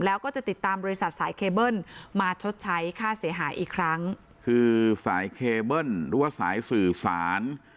แล้วก็จะติดตามบริษัทสายเคเบิ้ลมาชดใช้ค่าเสียหายอีกครั้งคือสายเคเบิ้ลหรือว่าสายสื่อสาร